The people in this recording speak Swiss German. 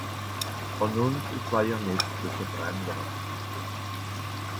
Àn ùns ìsch ’s wajer nìtt se ze verändere.